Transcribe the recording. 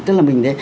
tức là mình thế